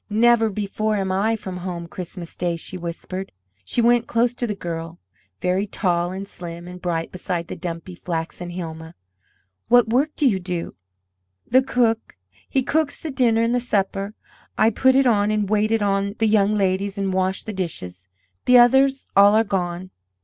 "Never before am I from home Christmas day," she whispered. She went close to the girl, very tall and slim and bright beside the dumpy, flaxen Hilma. "What work do you do?" "The cook, he cooks the dinner and the supper; I put it on and wait it on the young ladies and wash the dishes. The others all are gone."